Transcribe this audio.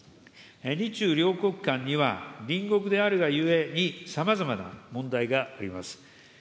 日中両国間には、隣国であるがゆえに、さまざまな問題があります。